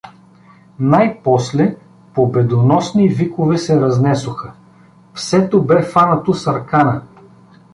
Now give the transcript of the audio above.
Най-после победоносни викове се разнесоха: псето бе фанато с аркана.